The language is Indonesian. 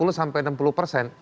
empat puluh sampai enam puluh persen